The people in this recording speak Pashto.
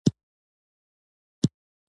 او چې پر هر چا ولګېږي نو کار يې ورسموي.